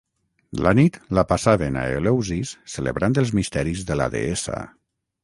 La nit la passaven a Eleusis celebrant els misteris de la deessa.